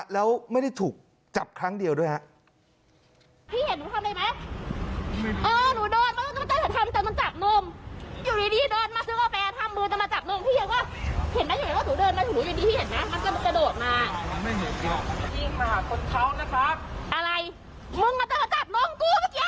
แล้วไม่ได้ถูกจับครั้งเดียวด้วยครับ